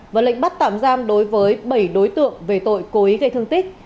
và lệnh bắt tạm giam đối với bảy đối tượng về tội cố ý gây thương tích